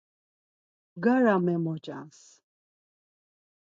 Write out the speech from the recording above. Bgara memoncas.